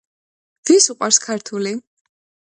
ვის უყვარს ქართული?